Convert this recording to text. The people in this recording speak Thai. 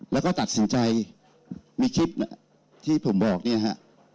แล้วก็ตัดสินใจมีคลิปที่ผมบอกเนี่ยฮะ